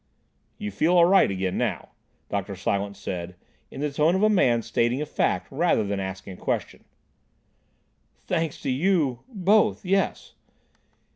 "You feel all right again now," Dr. Silence said, in the tone of a man stating a fact rather than asking a question. "Thanks to you—both, yes."